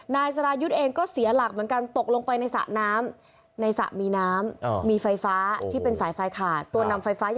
นายสรายุทธ์เองก็เสียหลักเหมือนกัน